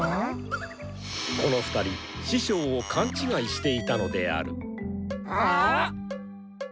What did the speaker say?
この２人師匠を勘違いしていたのである。